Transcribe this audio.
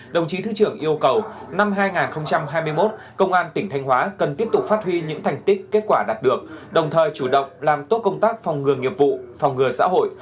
đồng chí thứ trưởng yêu cầu năm hai nghìn hai mươi một công an tỉnh thanh hóa cần tiếp tục phát huy những thành tích kết quả đạt được đồng thời chủ động làm tốt công tác phòng ngừa nghiệp vụ phòng ngừa xã hội